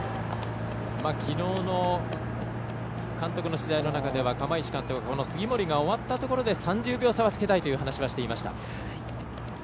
きのうの監督取材では釜石監督は杉森が終わったところで３０秒差はつけたいという話はしていました。